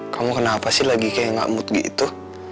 kamu kenapa sih lagi kayak gak mood gitu